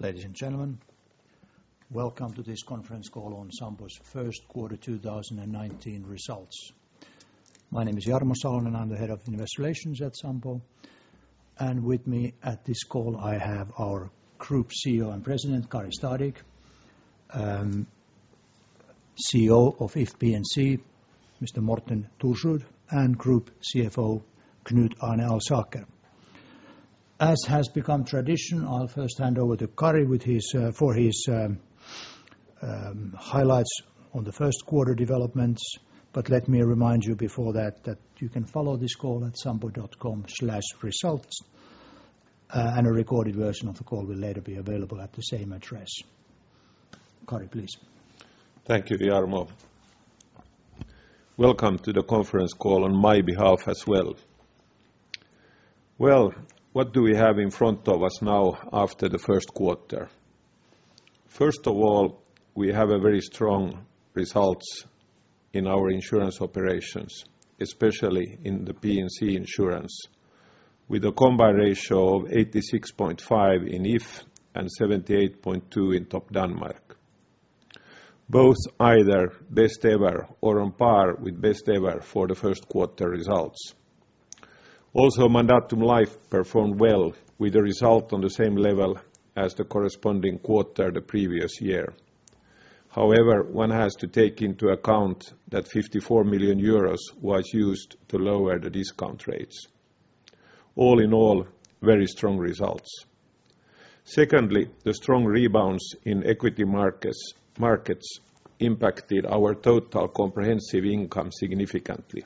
Ladies and gentlemen, welcome to this conference call on Sampo's first quarter 2019 results. My name is Jarmo Salonen, I am the Head of Investor Relations at Sampo. With me at this call, I have our Group CEO and President, Kari Stadigh, CEO of If P&C, Mr. Morten Thorsrud, and Group CFO, Knut Arne Alsaker. As has become tradition, I will first hand over to Kari for his highlights on the first quarter developments. Let me remind you before that you can follow this call at sampo.com/results, and a recorded version of the call will later be available at the same address. Kari, please. Thank you, Jarmo. Welcome to the conference call on my behalf as well. Well, what do we have in front of us now after the first quarter? First of all, we have very strong results in our insurance operations, especially in the P&C insurance, with a combined ratio of 86.5 in If and 78.2 in Topdanmark. Both either best ever or on par with best ever for the first quarter results. Also, Mandatum Life performed well with the result on the same level as the corresponding quarter the previous year. However, one has to take into account that 54 million euros was used to lower the discount rates. All in all, very strong results. Secondly, the strong rebounds in equity markets impacted our total comprehensive income significantly.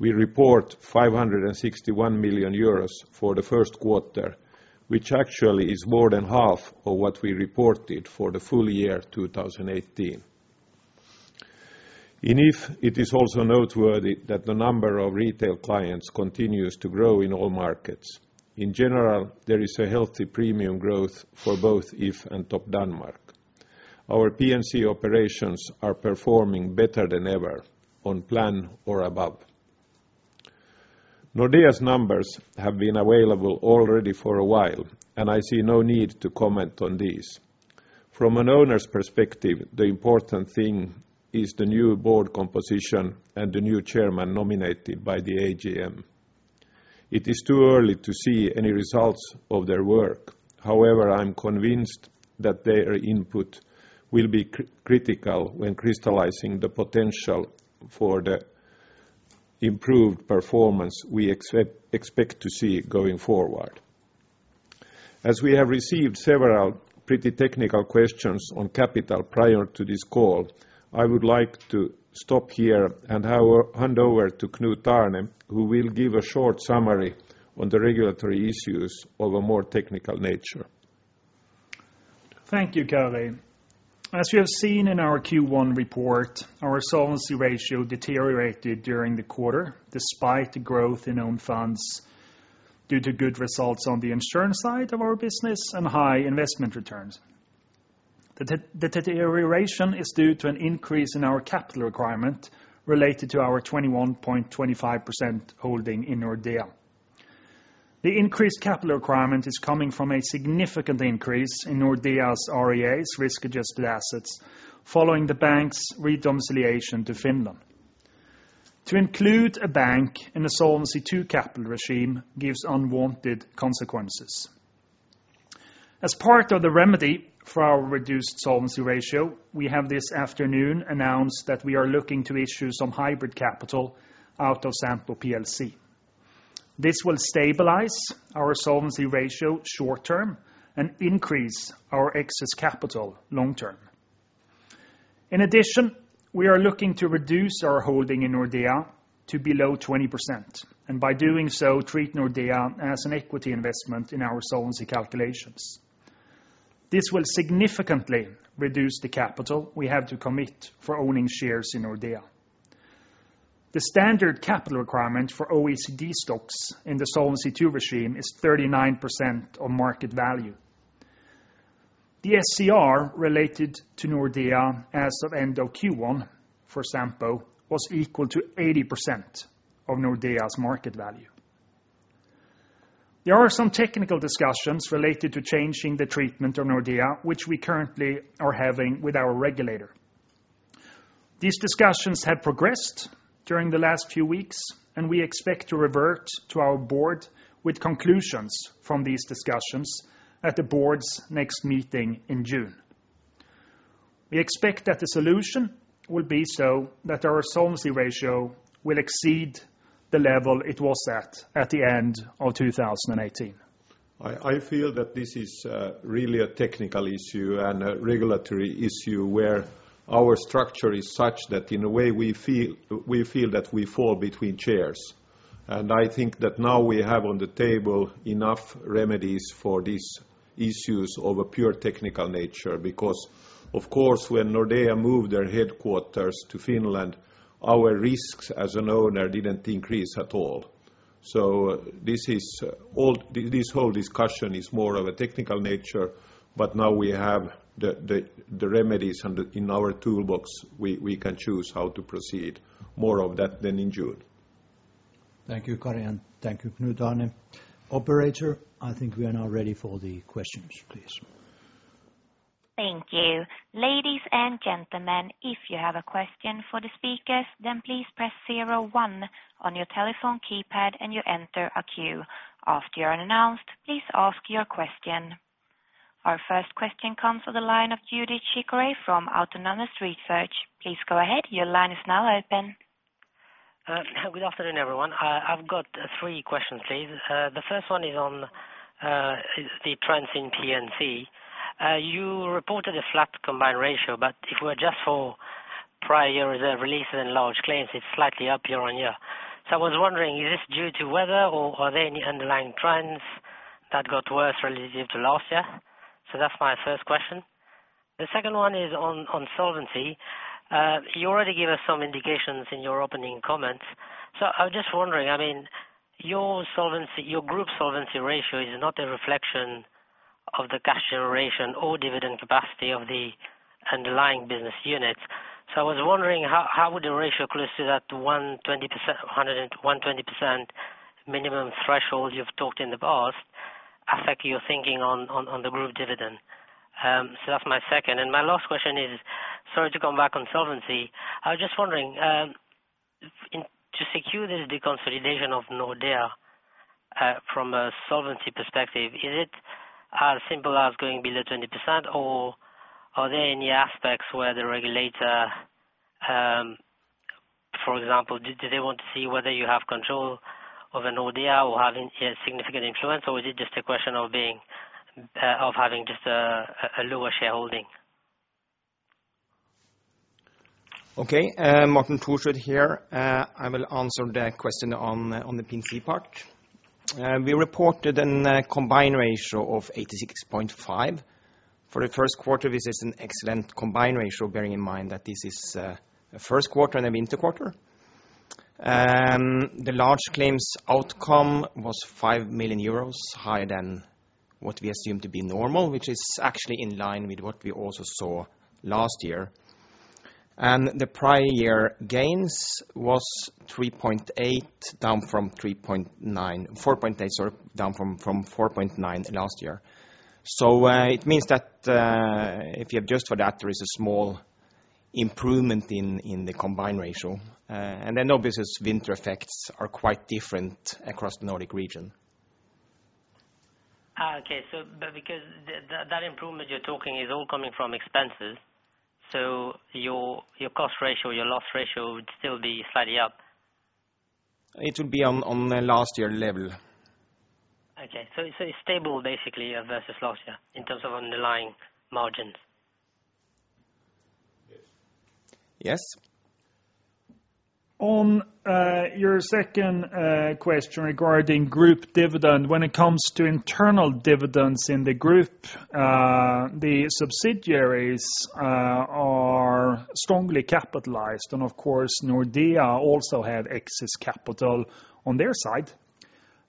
We report 561 million euros for the first quarter, which actually is more than half of what we reported for the full year 2018. In If, it is also noteworthy that the number of retail clients continues to grow in all markets. In general, there is a healthy premium growth for both If and Topdanmark. Our P&C operations are performing better than ever, on plan or above. Nordea's numbers have been available already for a while. I see no need to comment on these. From an owner's perspective, the important thing is the new board composition and the new chairman nominated by the AGM. It is too early to see any results of their work. However, I'm convinced that their input will be critical when crystallizing the potential for the improved performance we expect to see going forward. As we have received several pretty technical questions on capital prior to this call, I would like to stop here and hand over to Knut Arne, who will give a short summary on the regulatory issues of a more technical nature. Thank you, Kari. As you have seen in our Q1 report, our solvency ratio deteriorated during the quarter despite the growth in own funds due to good results on the insurance side of our business and high investment returns. The deterioration is due to an increase in our capital requirement related to our 21.25% holding in Nordea. The increased capital requirement is coming from a significant increase in Nordea's RWAs, risk-adjusted assets, following the bank's re-domiciliation to Finland. To include a bank in a Solvency II capital regime gives unwanted consequences. As part of the remedy for our reduced solvency ratio, we have this afternoon announced that we are looking to issue some hybrid capital out of Sampo plc. This will stabilize our solvency ratio short-term and increase our excess capital long-term. In addition, we are looking to reduce our holding in Nordea to below 20%, and by doing so, treat Nordea as an equity investment in our solvency calculations. This will significantly reduce the capital we have to commit for owning shares in Nordea. The standard capital requirement for OECD stocks in the Solvency II regime is 39% of market value. The SCR related to Nordea as of end of Q1 for Sampo was equal to 80% of Nordea's market value. There are some technical discussions related to changing the treatment of Nordea, which we currently are having with our regulator. These discussions have progressed during the last few weeks, and we expect to revert to our board with conclusions from these discussions at the board's next meeting in June. We expect that the solution will be so that our solvency ratio will exceed the level it was at the end of 2018. I feel that this is really a technical issue and a regulatory issue where our structure is such that in a way we feel that we fall between chairs. I think that now we have on the table enough remedies for these issues of a pure technical nature, because of course, when Nordea moved their headquarters to Finland, our risks as an owner didn't increase at all. This whole discussion is more of a technical nature, but now we have the remedies in our toolbox. We can choose how to proceed more of that then in June. Thank you, Kari, and thank you, Knut Arne. Operator, I think we are now ready for the questions, please. Thank you. Ladies and gentlemen, if you have a question for the speakers, please press 01 on your telephone keypad and you enter a queue. After you are announced, please ask your question. Our first question comes to the line of Jonny Urwin from Autonomous Research. Please go ahead. Your line is now open. Good afternoon, everyone. I've got three questions, please. The first one is on the trends in P&C. You reported a flat combined ratio, if it were just for prior year reserve releases and large claims, it's slightly up year-on-year. I was wondering, is this due to weather or are there any underlying trends that got worse relative to last year? That's my first question. The second one is on solvency. You already gave us some indications in your opening comments. I was just wondering, your group solvency ratio is not a reflection of the cash generation or dividend capacity of the underlying business units. I was wondering, how would the ratio closer to that 120% minimum threshold you've talked in the past affect your thinking on the group dividend? That's my second. My last question is, sorry to come back on solvency. I was just wondering, to secure the deconsolidation of Nordea from a solvency perspective, is it as simple as going below 20%? Are there any aspects where the regulator, for example, do they want to see whether you have control of a Nordea or having a significant influence? Is it just a question of having just a lower shareholding? Morten Thorsrud here. I will answer the question on the P&C part. We reported a combined ratio of 86.5 for the first quarter. This is an excellent combined ratio, bearing in mind that this is a first quarter and a winter quarter. The large claims outcome was 5 million euros higher than what we assume to be normal, which is actually in line with what we also saw last year. The prior year gains was 4.8, down from 4.9 last year. It means that if you adjust for that, there is a small improvement in the combined ratio. Then obviously winter effects are quite different across the Nordic region. Okay. Because that improvement you're talking is all coming from expenses, so your cost ratio, your loss ratio would still be slightly up. It will be on last year level. Okay. It's stable basically versus last year in terms of underlying margins. Yes. On your second question regarding group dividend. When it comes to internal dividends in the group, the subsidiaries are strongly capitalized, and of course, Nordea also have excess capital on their side.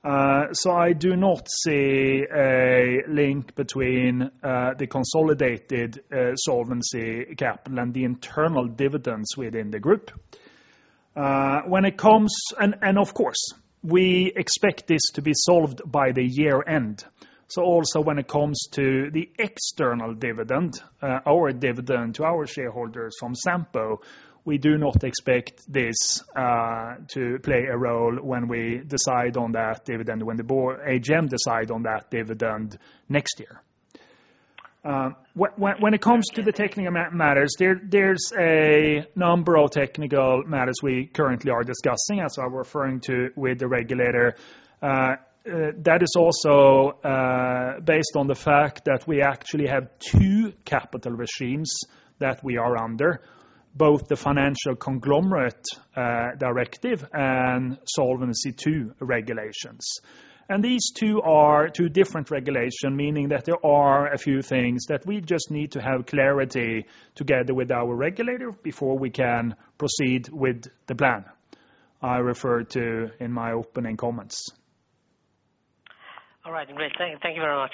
I do not see a link between the consolidated solvency capital and the internal dividends within the group. Of course, we expect this to be solved by the year-end. Also when it comes to the external dividend, our dividend to our shareholders from Sampo, we do not expect this to play a role when we decide on that dividend, when the AGM decide on that dividend next year. When it comes to the technical matters, there's a number of technical matters we currently are discussing as I'm referring to with the regulator. That is also based on the fact that we actually have two capital regimes that we are under, both the Financial Conglomerates Directive and Solvency II regulations. These two are two different regulation, meaning that there are a few things that we just need to have clarity together with our regulator before we can proceed with the plan I referred to in my opening comments. All right. Great. Thank you very much.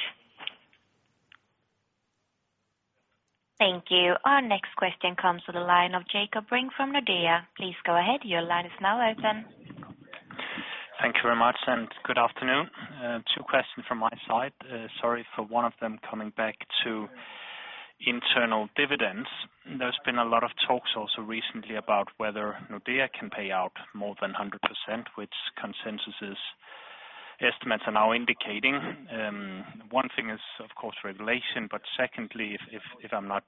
Thank you. Our next question comes to the line of Jakob Brink from Nordea. Please go ahead. Your line is now open. Thank you very much, and good afternoon. Two questions from my side. Sorry for one of them coming back to internal dividends. There's been a lot of talks also recently about whether Nordea can pay out more than 100%, which consensus estimates are now indicating. One thing is, of course, regulation, but secondly, if I'm not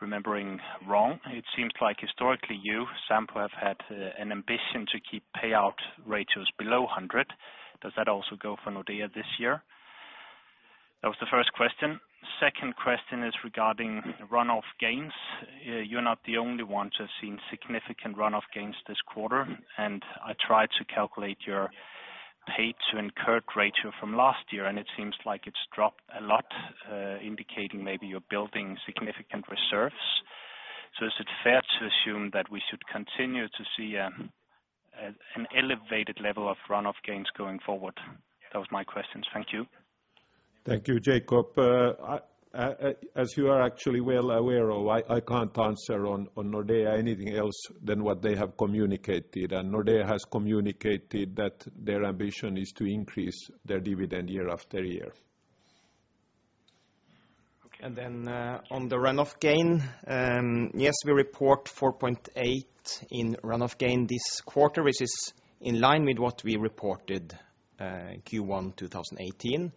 remembering wrong, it seems like historically you, Sampo, have had an ambition to keep payout ratios below 100%. Does that also go for Nordea this year? That was the first question. Second question is regarding runoff gains. You're not the only ones who have seen significant runoff gains this quarter, and I tried to calculate your paid to incurred ratio from last year, and it seems like it's dropped a lot, indicating maybe you're building significant reserves. Is it fair to assume that we should continue to see an elevated level of runoff gains going forward? That was my questions. Thank you. Thank you, Jakob. As you are actually well aware of, I can't answer on Nordea anything else than what they have communicated, and Nordea has communicated that their ambition is to increase their dividend year after year. On the run-off gain. Yes, we report 4.8 in run-off gain this quarter, which is in line with what we reported Q1 2018,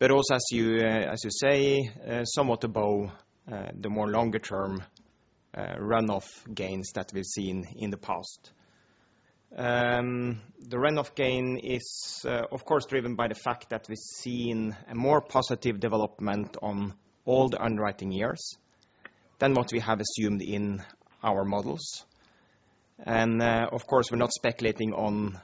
but also as you say, somewhat above the more longer term run-off gains that we've seen in the past. The run-off gain is, of course, driven by the fact that we've seen a more positive development on all the underwriting years than what we have assumed in our models. Of course, we're not speculating on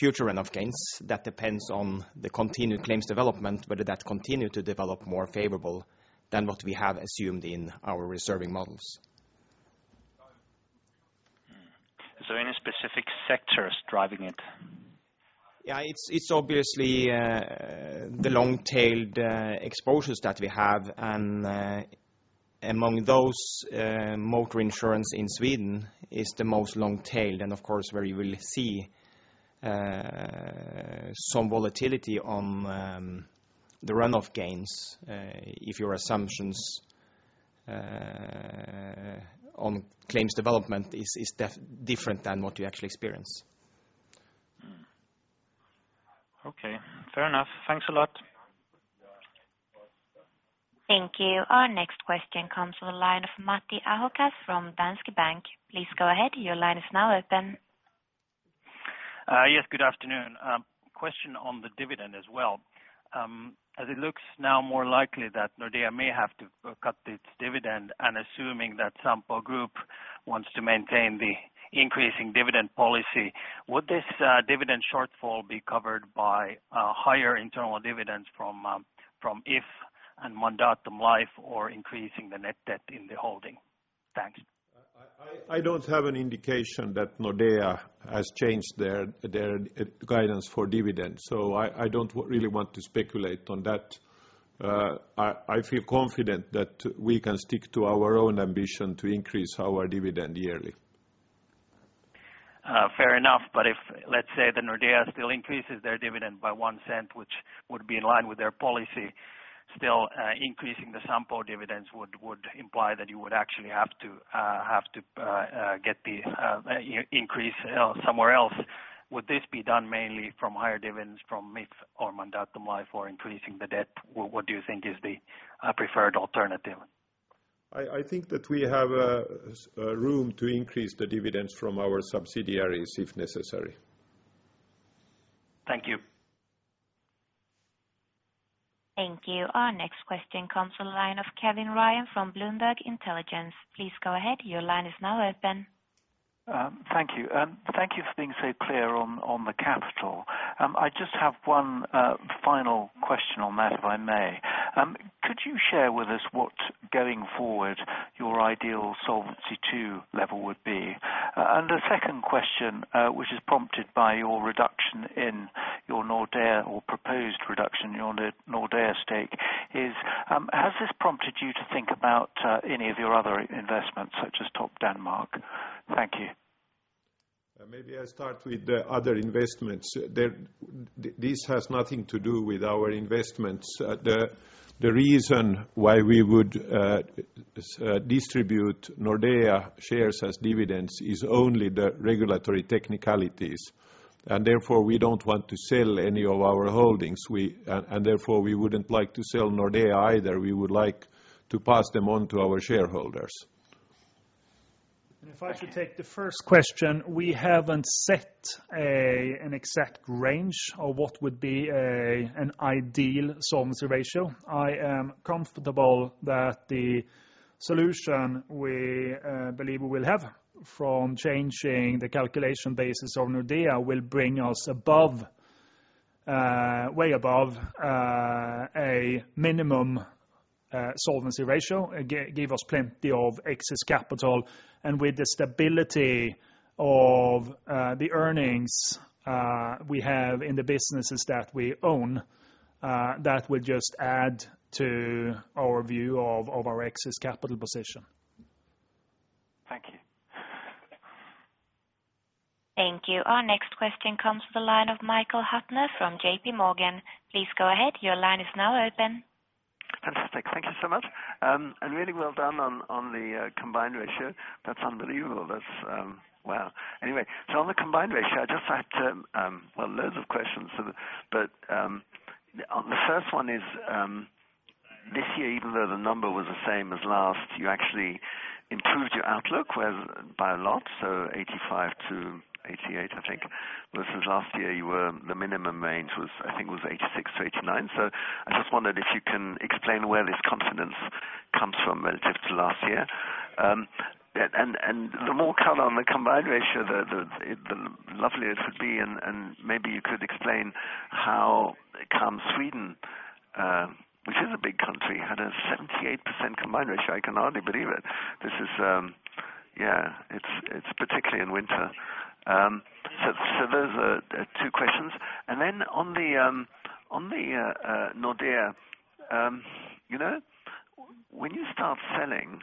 future run-off gains. That depends on the continued claims development, whether that continue to develop more favorable than what we have assumed in our reserving models. Is there any specific sectors driving it? Yeah. It's obviously the long-tailed exposures that we have, and among those, motor insurance in Sweden is the most long-tailed, and of course, where you will see some volatility on the run-off gains, if your assumptions on claims development is different than what you actually experience. Okay, fair enough. Thanks a lot. Thank you. Our next question comes from the line of Matti Ahokas from Danske Bank. Please go ahead, your line is now open. Yes, good afternoon. Question on the dividend as well. As it looks now more likely that Nordea may have to cut its dividend, and assuming that Sampo Group wants to maintain the increasing dividend policy, would this dividend shortfall be covered by higher internal dividends from If and Mandatum Life, or increasing the net debt in the holding? Thanks. I don't have an indication that Nordea has changed their guidance for dividends, so I don't really want to speculate on that. I feel confident that we can stick to our own ambition to increase our dividend yearly. Fair enough. But if, let's say that Nordea still increases their dividend by 0.01, which would be in line with their policy, still increasing the Sampo dividends would imply that you would actually have to get the increase somewhere else. Would this be done mainly from higher dividends from If or Mandatum Life or increasing the debt? What do you think is the preferred alternative? I think that we have room to increase the dividends from our subsidiaries if necessary. Thank you. Thank you. Our next question comes from the line of Kevin Ryan from Bloomberg Intelligence. Please go ahead, your line is now open. Thank you. Thank you for being so clear on the capital. I just have one final question on that, if I may. Could you share with us what, going forward, your ideal Solvency II level would be? The second question, which is prompted by your reduction in your Nordea, or proposed reduction in your Nordea stake is, has this prompted you to think about any of your other investments, such as Topdanmark? Thank you. Maybe I start with the other investments. This has nothing to do with our investments. The reason why we would distribute Nordea shares as dividends is only the regulatory technicalities, and therefore, we don't want to sell any of our holdings. Therefore, we wouldn't like to sell Nordea either. We would like to pass them on to our shareholders. If I should take the first question, we haven't set an exact range of what would be an ideal solvency ratio. I am comfortable that the solution we believe we will have from changing the calculation basis of Nordea will bring us way above a minimum solvency ratio, give us plenty of excess capital. With the stability of the earnings we have in the businesses that we own, that will just add to our view of our excess capital position. Thank you. Thank you. Our next question comes to the line of Michael Huttner from JP Morgan. Please go ahead, your line is now open. Fantastic. Thank you so much. Really well done on the combined ratio. That's unbelievable. That's wow. On the combined ratio, I just had loads of questions. The first one is, this year, even though the number was the same as last, you actually improved your outlook by a lot, so 85% to 88%, I think. Whereas last year, the minimum range I think was 86% to 89%. I just wondered if you can explain where this confidence comes from relative to last year. The more color on the combined ratio, the lovelier it would be, and maybe you could explain how come Sweden, which is a big country, had a 78% combined ratio. I can hardly believe it. Particularly in winter. Those are two questions. On the Nordea, when you start selling,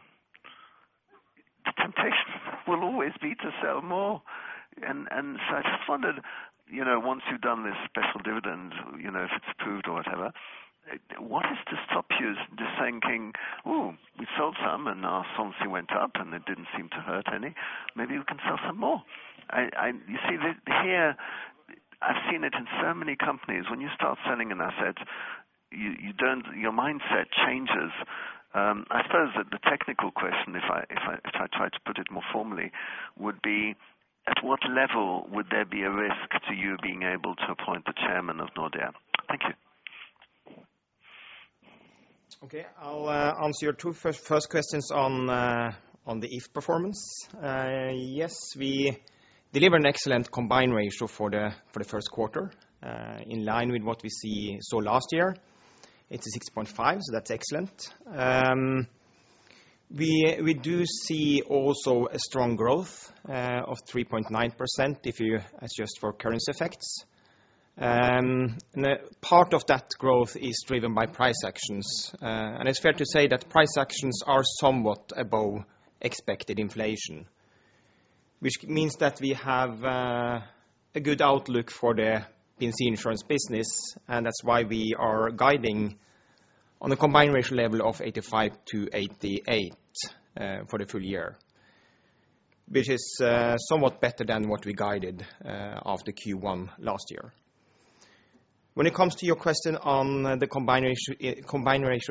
the temptation will always be to sell more. I just wondered, once you've done this special dividend, if it's approved or whatever, what is to stop you just thinking, "Ooh, we sold some, and our solvency went up, and it didn't seem to hurt any. Maybe we can sell some more." You see, here, I've seen it in so many companies, when you start selling an asset, your mindset changes. I suppose that the technical question, if I try to put it more formally, would be at what level would there be a risk to you being able to appoint the chairman of Nordea? Thank you. Okay. I'll answer your two first questions on the If performance. Yes, we deliver an excellent combined ratio for the first quarter, in line with what we saw last year. It's a 6.5, so that's excellent. We do see also a strong growth of 3.9% if you adjust for currency effects. Part of that growth is driven by price actions. It's fair to say that price actions are somewhat above expected inflation, which means that we have a good outlook for the P&C insurance business, and that's why we are guiding on a combined ratio level of 85%-88% for the full year. Which is somewhat better than what we guided after Q1 last year. When it comes to your question on the combined ratio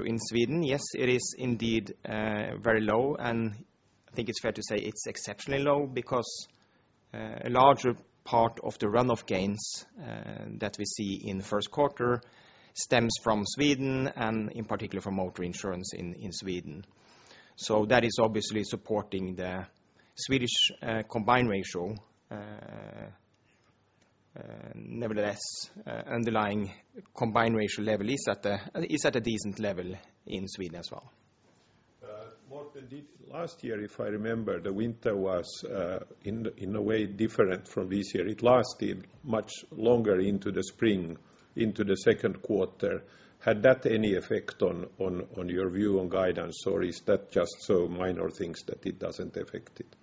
in Sweden, yes, it is indeed very low. I think it's fair to say it's exceptionally low because a larger part of the run of gains that we see in the first quarter stems from Sweden and in particular from motor insurance in Sweden. That is obviously supporting the Swedish combined ratio. Nevertheless, underlying combined ratio level is at a decent level in Sweden as well. Morten, last year, if I remember, the winter was in a way different from this year. It lasted much longer into the spring, into the second quarter. Had that any effect on your view on guidance, or is that just so minor things that it doesn't affect it?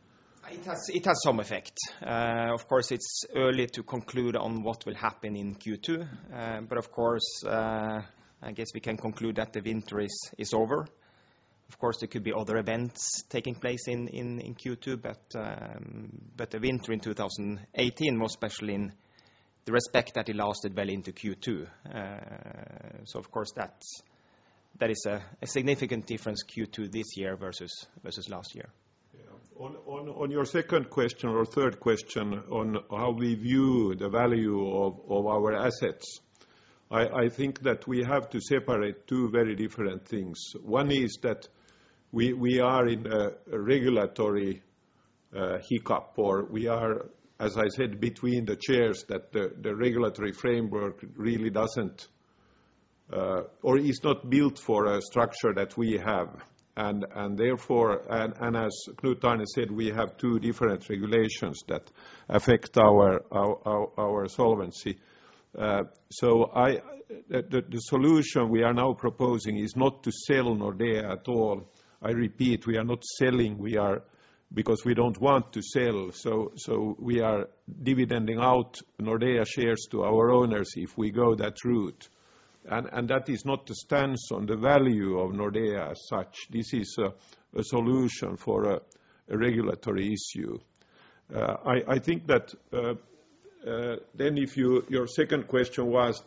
It has some effect. Of course, it's early to conclude on what will happen in Q2. Of course, I guess we can conclude that the winter is over. Of course, there could be other events taking place in Q2, but the winter in 2018, was special in the respect that it lasted well into Q2. Of course, that is a significant difference, Q2 this year versus last year. Yeah. On your second question or third question on how we view the value of our assets, I think that we have to separate two very different things. One is that we are in a regulatory hiccup, or we are, as I said, between the chairs that the regulatory framework really doesn't or is not built for a structure that we have. As Knut Arne said, we have two different regulations that affect our solvency. The solution we are now proposing is not to sell Nordea at all. I repeat, we are not selling because we don't want to sell. We are dividending out Nordea shares to our owners if we go that route, and that is not the stance on the value of Nordea as such. This is a solution for a regulatory issue. If your second question was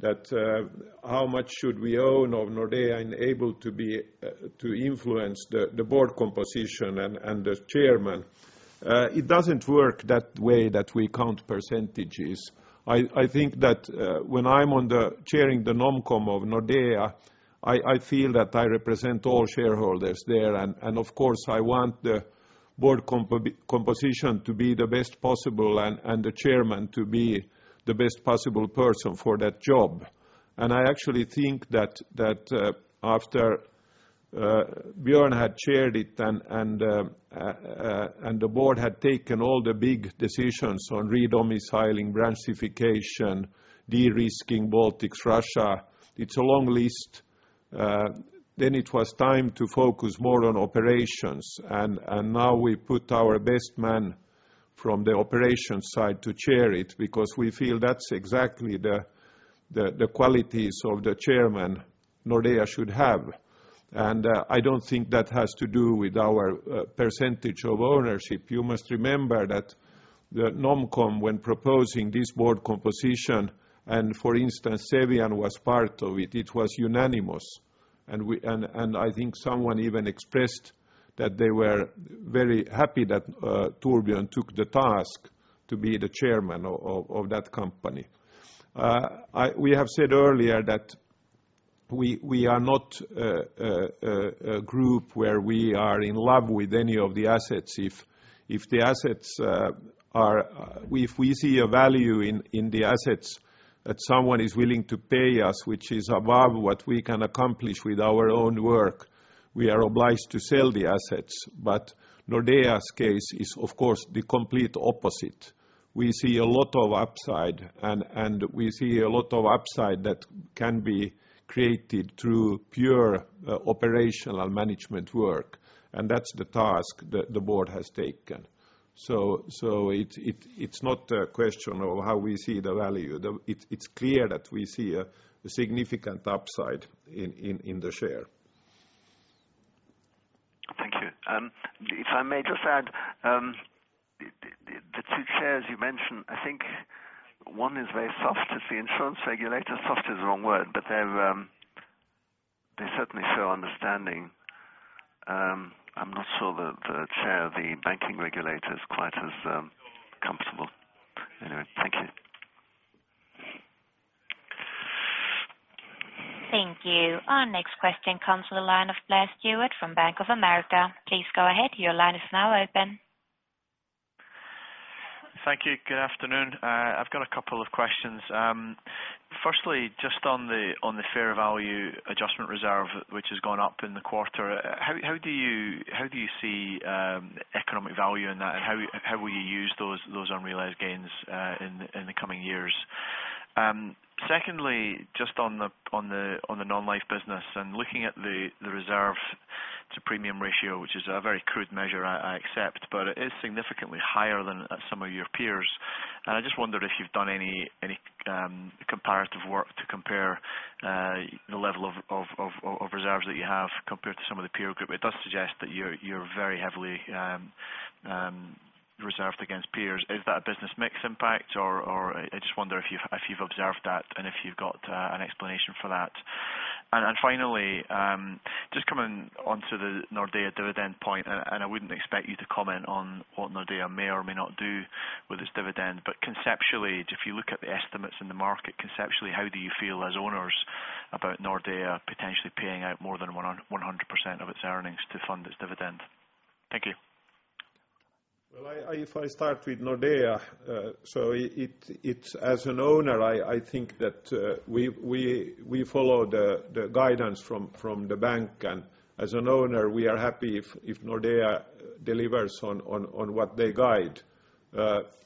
that how much should we own of Nordea and able to influence the board composition and the chairman. It doesn't work that way that we count percentages. I think that when I'm chairing the NomCom of Nordea, I feel that I represent all shareholders there. Of course, I want the board composition to be the best possible and the chairman to be the best possible person for that job. I actually think that after Björn had chaired it and the board had taken all the big decisions on re-domiciling, branchification, de-risking Baltics, Russia, it's a long list. It was time to focus more on operations. Now we put our best man from the operations side to chair it because we feel that's exactly the qualities of the chairman Nordea should have. I don't think that has to do with our percentage of ownership. You must remember that the NomCom, when proposing this board composition, and for instance, Cevian was part of it was unanimous. I think someone even expressed that they were very happy that Torbjörn took the task to be the chairman of that company. We have said earlier that we are not a group where we are in love with any of the assets. If we see a value in the assets that someone is willing to pay us, which is above what we can accomplish with our own work. We are obliged to sell the assets, but Nordea's case is, of course, the complete opposite. We see a lot of upside, and we see a lot of upside that can be created through pure operational management work, and that's the task that the board has taken. It's not a question of how we see the value. It's clear that we see a significant upside in the share. Thank you. I may just add, the two chairs you mentioned, I think one is very soft. It's the insurance regulator. Soft is the wrong word, but they're certainly so understanding. I'm not sure that the chair of the banking regulator is quite as comfortable. Anyway, thank you. Thank you. Our next question comes to the line of Blair Stewart from Bank of America. Please go ahead. Your line is now open. Thank you. Good afternoon. I've got a couple of questions. Firstly, just on the fair value adjustment reserve, which has gone up in the quarter, how do you see economic value in that and how will you use those unrealized gains in the coming years? Secondly, just on the non-life business and looking at the reserve to premium ratio, which is a very crude measure I accept, but it is significantly higher than some of your peers. I just wondered if you've done any comparative work to compare the level of reserves that you have compared to some of the peer group. It does suggest that you're very heavily reserved against peers. Is that a business mix impact or I just wonder if you've observed that and if you've got an explanation for that. Finally, just coming onto the Nordea dividend point, I wouldn't expect you to comment on what Nordea may or may not do with its dividend, but conceptually, if you look at the estimates in the market conceptually, how do you feel as owners about Nordea potentially paying out more than 100% of its earnings to fund its dividend? Thank you. If I start with Nordea, as an owner, I think that we follow the guidance from the bank and as an owner, we are happy if Nordea delivers on what they guide.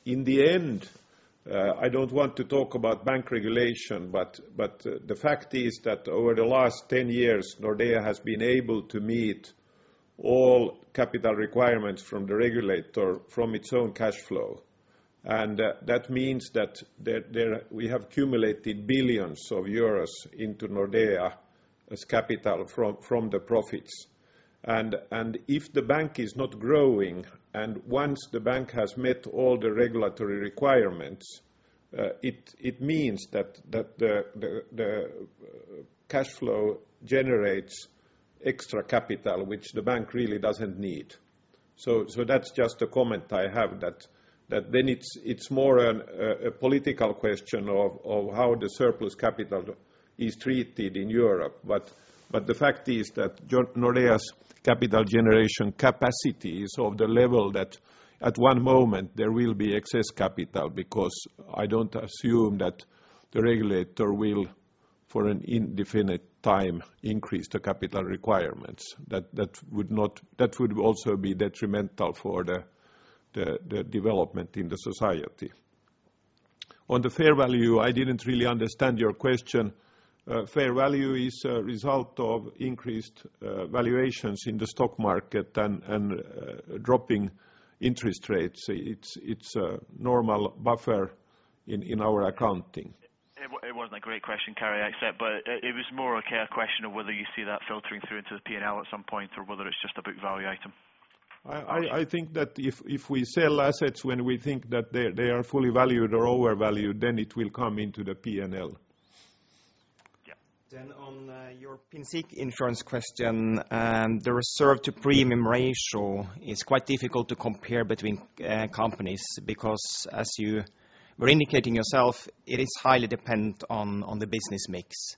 In the end, I don't want to talk about bank regulation, but the fact is that over the last 10 years, Nordea has been able to meet all capital requirements from the regulator from its own cash flow. That means that we have accumulated billions of EUR into Nordea as capital from the profits. If the bank is not growing, and once the bank has met all the regulatory requirements, it means that the cash flow generates extra capital, which the bank really doesn't need. That's just a comment I have that then it's more a political question of how the surplus capital is treated in Europe. The fact is that Nordea's capital generation capacity is of the level that at one moment there will be excess capital because I don't assume that the regulator will, for an indefinite time, increase the capital requirements. That would also be detrimental for the development in the society. On the fair value, I didn't really understand your question. Fair value is a result of increased valuations in the stock market and dropping interest rates. It's a normal buffer in our accounting. It wasn't a great question, Kari, I accept, but it was more a care question of whether you see that filtering through into the P&L at some point or whether it's just a book value item. I think that if we sell assets when we think that they are fully valued or overvalued, it will come into the P&L. Yeah. On your P&C insurance question, the reserve to premium ratio is quite difficult to compare between companies because as you were indicating yourself, it is highly dependent on the business mix,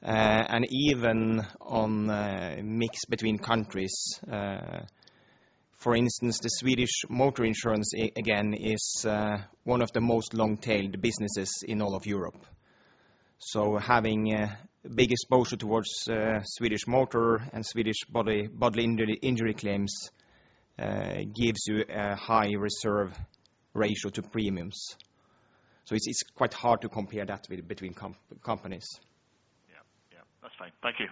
and even on mix between countries. For instance, the Swedish motor insurance, again, is one of the most long-tailed businesses in all of Europe. Having a big exposure towards Swedish motor and Swedish bodily injury claims gives you a high reserve ratio to premiums. It's quite hard to compare that between companies. Yeah. That's fine. Thank you.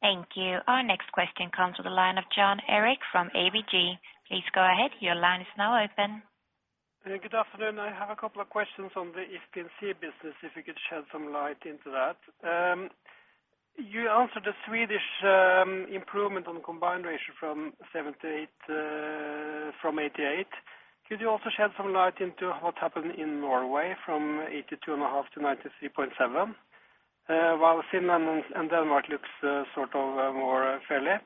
Thank you. Our next question comes to the line of Jan Erik from ABG. Please go ahead. Your line is now open. Good afternoon. I have a couple of questions on the If P&C business, if you could shed some light into that. You answered the Swedish improvement on combined ratio from 7% to 8% from 88%. Could you also shed some light into what happened in Norway from 82.5% to 93.7%, while Finland and Denmark looks sort of more fairly.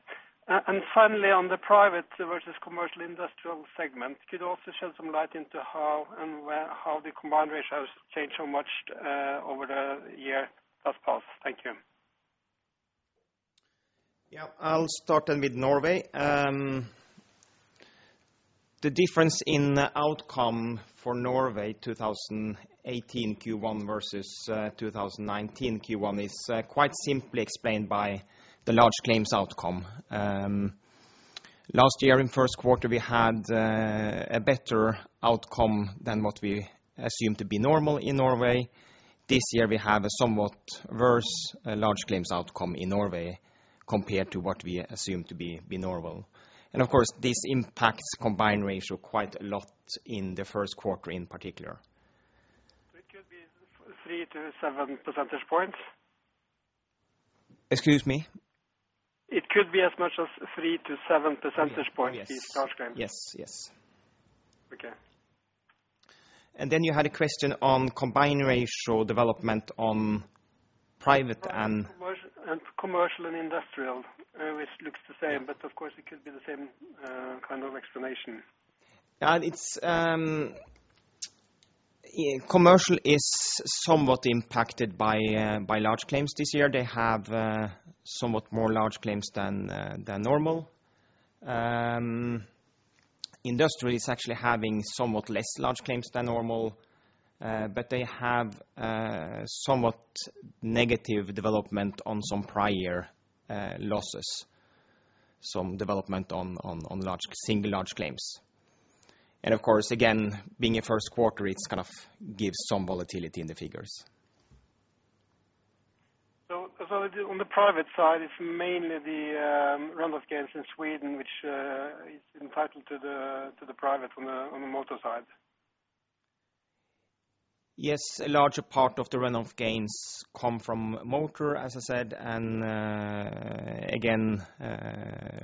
Finally, on the private versus commercial industrial segment, could you also shed some light into how and where the combined ratios changed so much over the year thus far? Thank you. I'll start then with Norway. The difference in outcome for Norway 2018 Q1 versus 2019 Q1 is quite simply explained by the large claims outcome. Last year in first quarter, we had a better outcome than what we assumed to be normal in Norway. This year we have a somewhat worse large claims outcome in Norway compared to what we assumed to be normal. Of course, this impacts combined ratio quite a lot in the first quarter, in particular. It could be 3 to 7 percentage points? Excuse me. It could be as much as 3-7 percentage points. Yes These large claims. Yes. Okay. You had a question on combined ratio development on private and. Commercial and industrial, which looks the same, of course it could be the same kind of explanation. Commercial is somewhat impacted by large claims this year. They have somewhat more large claims than normal. Industry is actually having somewhat less large claims than normal, but they have somewhat negative development on some prior losses, some development on single large claims. Of course, again, being a first quarter, it gives some volatility in the figures. On the private side, it's mainly the runoff gains in Sweden, which is entitled to the private on the motor side. Yes, a larger part of the runoff gains come from motor, as I said. Again,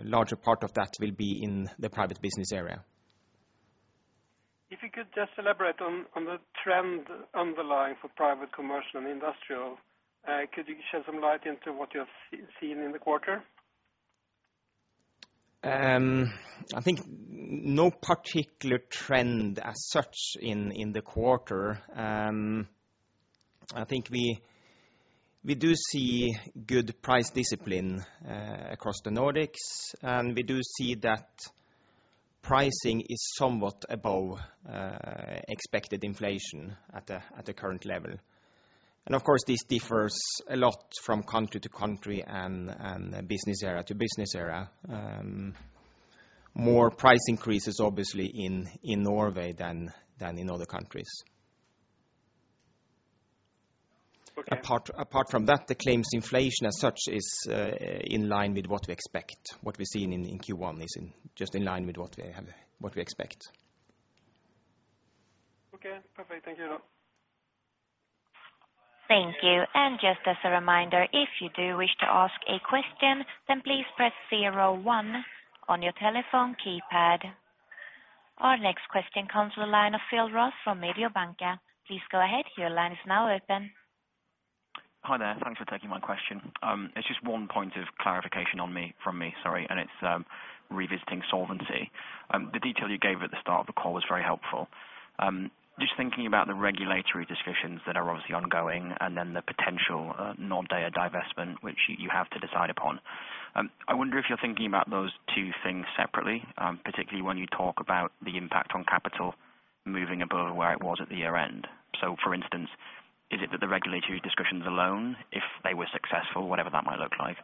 larger part of that will be in the private business area. If you could just elaborate on the trend underlying for private commercial and industrial. Could you shed some light into what you have seen in the quarter? I think no particular trend as such in the quarter. I think we do see good price discipline across the Nordics, and we do see that pricing is somewhat above expected inflation at the current level. Of course, this differs a lot from country to country and business area to business area. More price increases, obviously in Norway than in other countries. Okay. Apart from that, the claims inflation as such is in line with what we expect. What we see in Q1 is just in line with what we expect. Okay, perfect. Thank you. Thank you. Just as a reminder, if you do wish to ask a question, then please press zero one on your telephone keypad. Our next question comes from the line of Philip Ross from Mediobanca. Please go ahead. Your line is now open. Hi there. Thanks for taking my question. It's just one point of clarification from me, and it's revisiting solvency. The detail you gave at the start of the call was very helpful. Just thinking about the regulatory discussions that are obviously ongoing and then the potential Nordea divestment, which you have to decide upon. I wonder if you're thinking about those two things separately, particularly when you talk about the impact on capital moving above where it was at the year-end. For instance, is it that the regulatory discussions alone, if they were successful, whatever that might look like,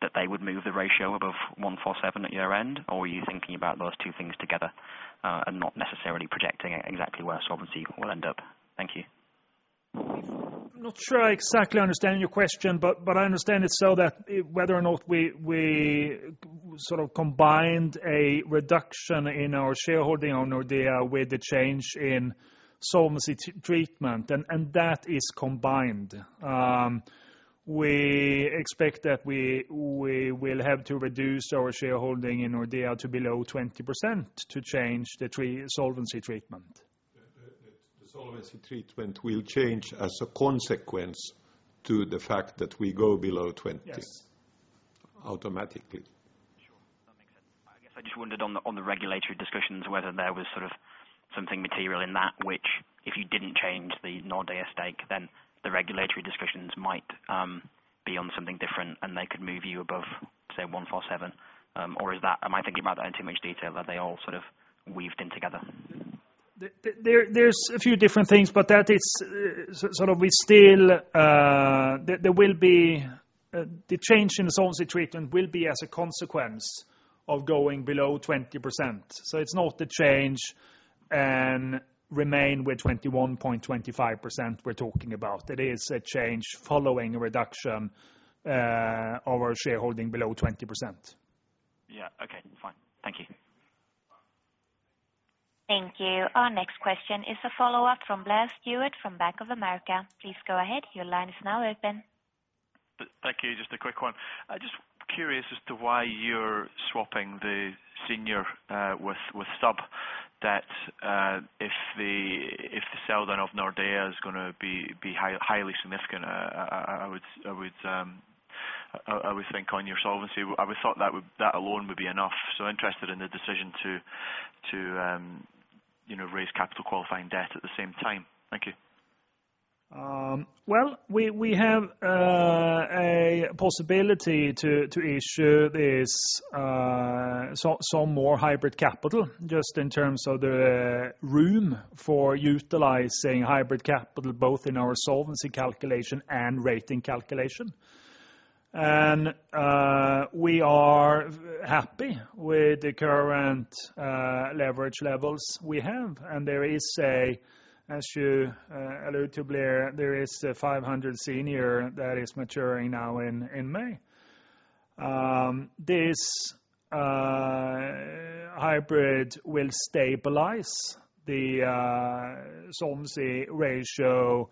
that they would move the ratio above 147 at year-end? Are you thinking about those two things together and not necessarily projecting exactly where solvency will end up? Thank you. Not sure I exactly understand your question. I understand it so that whether or not we combined a reduction in our shareholding on Nordea with the change in solvency treatment, and that is combined. We expect that we will have to reduce our shareholding in Nordea to below 20% to change the solvency treatment. The solvency treatment will change as a consequence to the fact that we go below 20. Yes. Automatically. Sure. That makes sense. I guess I just wondered on the regulatory discussions whether there was something material in that which, if you didn't change the Nordea stake, the regulatory discussions might be on something different, and they could move you above, say, 147. Am I thinking about that in too much detail, that they all weaved in together? There's a few different things, the change in solvency treatment will be as a consequence of going below 20%. It's not the change and remain with 21.25% we're talking about. It is a change following a reduction of our shareholding below 20%. Yeah. Okay, fine. Thank you. Thank you. Our next question is a follow-up from Blair Stewart from Bank of America. Please go ahead. Your line is now open. Thank you. Just a quick one. I just curious as to why you're swapping the senior with sub debt. If the sell-down of Nordea is going to be highly significant, I would think on your solvency, I would thought that alone would be enough. Interested in the decision to raise capital qualifying debt at the same time. Thank you. Well, we have a possibility to issue some more hybrid capital just in terms of the room for utilizing hybrid capital, both in our solvency calculation and rating calculation. We are happy with the current leverage levels we have. There is a, as you allude to, Blair, there is a 500 senior that is maturing now in May. This hybrid will stabilize the solvency ratio,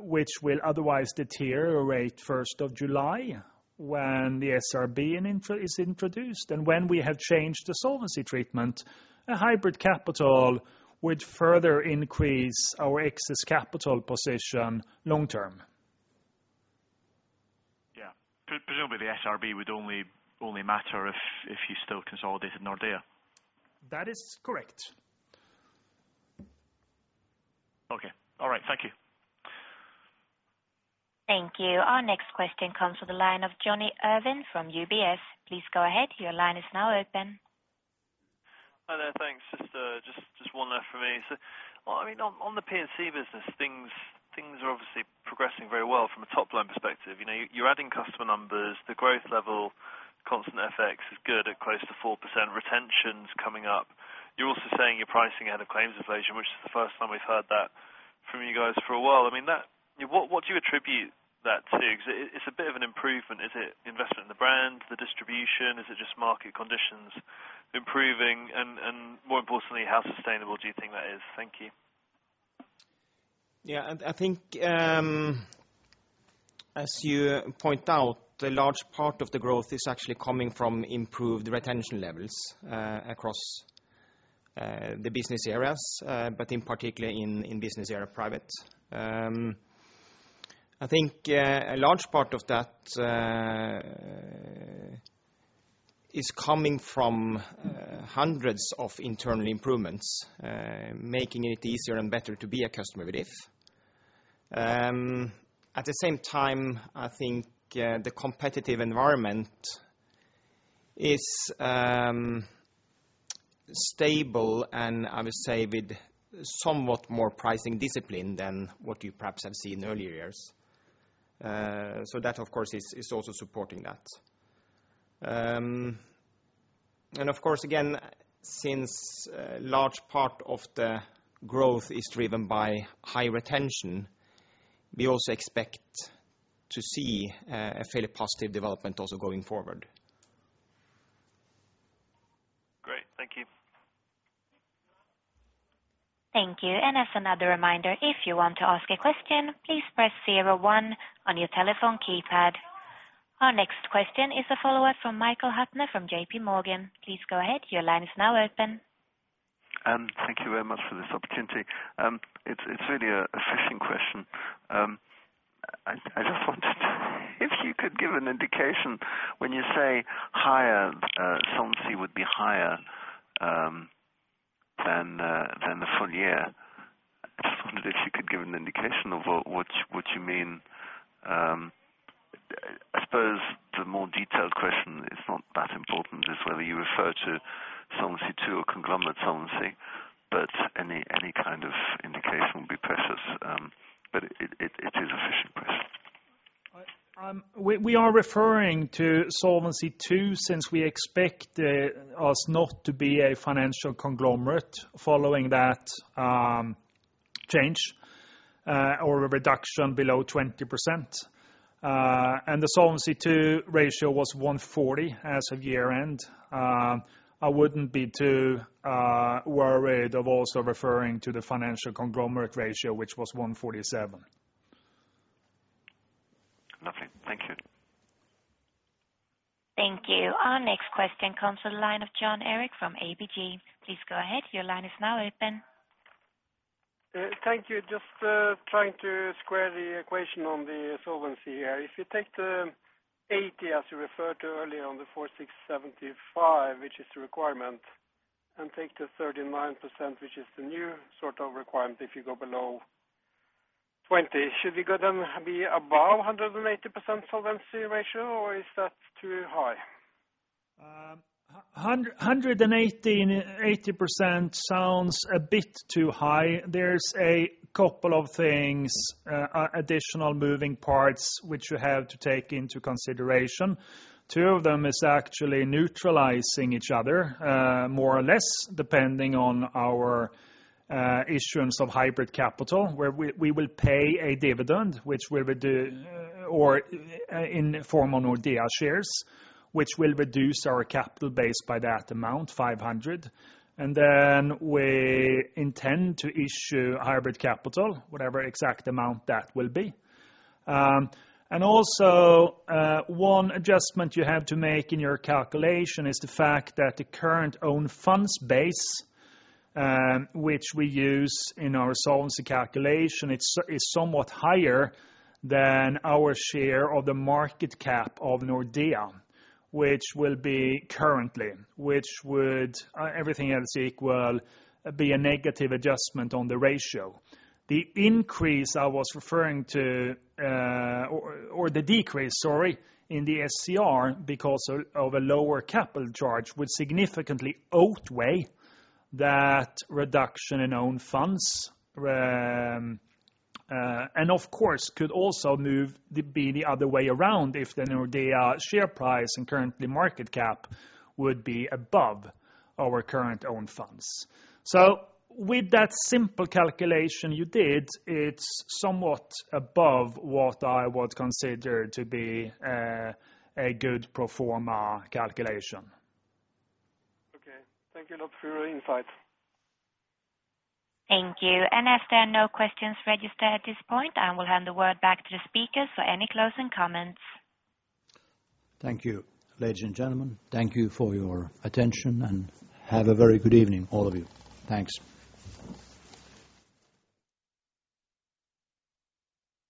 which will otherwise deteriorate 1st of July, when the SRB is introduced. When we have changed the solvency treatment, a hybrid capital would further increase our excess capital position long term. Yeah. Presumably the SRB would only matter if you still consolidated Nordea. That is correct. Okay. All right. Thank you. Thank you. Our next question comes from the line of Jonny Urwin from UBS. Please go ahead. Your line is now open. Hi there. Thanks. Just one there from me. On the P&C business, things are obviously progressing very well from a top-line perspective. You are adding customer numbers. The growth level constant FX is good at close to 4%. Retention is coming up. You are also saying you are pricing ahead of claims inflation, which is the first time we have heard that from you guys for a while. What do you attribute that to? Because it is a bit of an improvement. Is it investment in the brand, the distribution? Is it just market conditions improving? More importantly, how sustainable do you think that is? Thank you. Yeah, I think, as you point out, a large part of the growth is actually coming from improved retention levels across the business areas, but in particular in business area private. I think a large part of that is coming from hundreds of internal improvements, making it easier and better to be a customer with If. At the same time, I think the competitive environment is stable, I would say with somewhat more pricing discipline than what you perhaps have seen in earlier years. That, of course, is also supporting that. Of course, again, since a large part of the growth is driven by high retention, we also expect to see a fairly positive development also going forward. Great. Thank you. Thank you. As another reminder, if you want to ask a question, please press 01 on your telephone keypad. Our next question is a follower from Michael Huttner from JP Morgan. Please go ahead. Your line is now open. Thank you very much for this opportunity. It's really a fishing question. If you could give an indication when you say solvency would be higher than the full year. I just wondered if you could give an indication of what you mean. I suppose the more detailed question is not that important, is whether you refer to Solvency II or conglomerate solvency. Any kind of indication would be precious, but it is a fishing question. We are referring to Solvency II since we expect us not to be a financial conglomerate following that change or a reduction below 20%. The Solvency II ratio was 140 as of year-end. I wouldn't be too worried of also referring to the financial conglomerate ratio, which was 147. Lovely. Thank you. Thank you. Our next question comes to the line of Jan Erik from ABG. Please go ahead. Your line is now open. Thank you. Just trying to square the equation on the solvency here. If you take the 80, as you referred to earlier on the 4,675, which is the requirement, and take the 39%, which is the new requirement if you go below 20. Should we go be above 180% solvency ratio, or is that too high? 180% sounds a bit too high. There's a couple of things, additional moving parts which you have to take into consideration. Two of them is actually neutralizing each other, more or less, depending on our issuance of hybrid capital, where we will pay a dividend in form of Nordea shares, which will reduce our capital base by that amount, 500. We intend to issue hybrid capital, whatever exact amount that will be. One adjustment you have to make in your calculation is the fact that the current own funds base, which we use in our solvency calculation, is somewhat higher than our share of the market cap of Nordea, which will be currently, which would, everything else equal, be a negative adjustment on the ratio. The increase I was referring to, or the decrease, sorry, in the SCR because of a lower capital charge would significantly outweigh that reduction in own funds. Of course, could also be the other way around if the Nordea share price and currently market cap would be above our current own funds. With that simple calculation you did, it's somewhat above what I would consider to be a good pro forma calculation. Okay. Thank you a lot for your insight. Thank you. As there are no questions registered at this point, I will hand the word back to the speakers for any closing comments. Thank you, ladies and gentlemen. Thank you for your attention, and have a very good evening, all of you. Thanks.